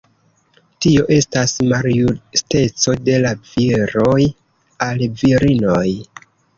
Tio estas maljusteco de la viroj al virinoj.